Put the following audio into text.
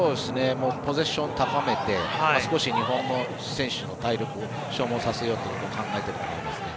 ポゼッションを高めて少し、日本の選手の体力を消耗させようと考えていると思います。